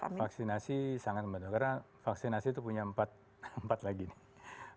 vaksinasi sangat membantu karena vaksinasi itu punya empat lagi nih